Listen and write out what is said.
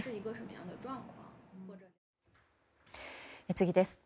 次です。